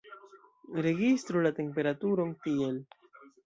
Registru la temperaturon tiel.